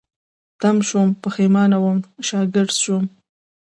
تم شوم، پيښمانه وم، شاګرځ شوم